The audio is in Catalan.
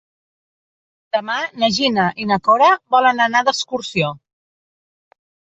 Demà na Gina i na Cora volen anar d'excursió.